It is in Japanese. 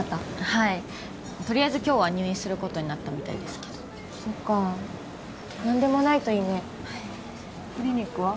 はいとりあえず今日は入院することになったみたいですけどそっか何でもないといいねはいクリニックは？